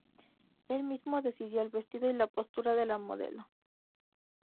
Él mismo decidía el vestido y la postura de la modelo.